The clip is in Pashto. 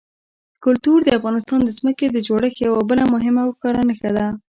کلتور د افغانستان د ځمکې د جوړښت یوه بله مهمه او ښکاره نښه ده.